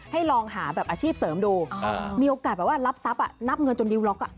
ลองหาแบบอาชีพเสริมดูมีโอกาสแบบว่ารับทรัพย์นับเงินจนดิวล็อกอ่ะ